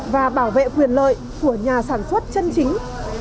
và bảo vệ quyền lợi của nhà sản xuất chân chính